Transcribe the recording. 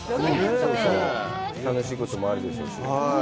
楽しいこともあるでしょうし。